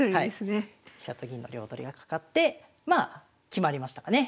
飛車と銀の両取りがかかってまあ決まりましたかね。